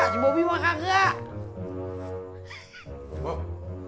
si bobby mah kakak